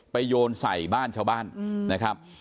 โยนใส่บ้านชาวบ้านนะครับ